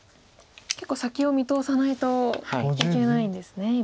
結構先を見通さないといけないんですね